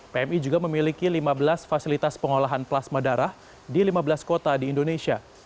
pmi juga memiliki lima belas fasilitas pengolahan plasma darah di lima belas kota di indonesia